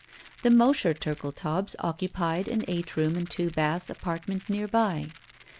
The Mosher Turldetaubs occupied an eight room and two baths apartment near by.